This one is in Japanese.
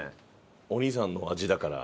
お兄さんの味だから。